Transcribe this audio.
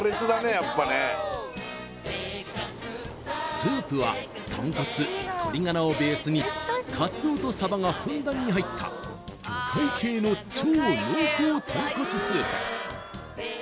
やっぱねスープは豚骨鶏ガラをベースにカツオとサバがふんだんに入った魚介系の超濃厚豚骨スープ